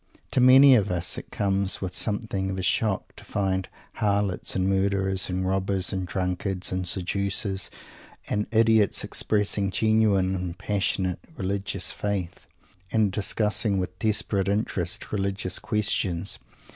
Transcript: To many of us it comes with something of a shock to find harlots and murderers and robbers and drunkards and seducers and idiots expressing genuine and passionate religious faith, and discussing with desperate interest religious questions.